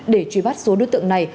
để truy bắt số đối tượng này